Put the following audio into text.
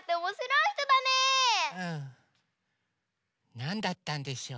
なんだったんでしょう？